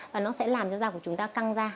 và nó sẽ làm cho da của chúng ta căng ra